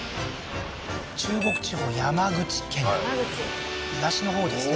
中国地方山口県山口東のほうですね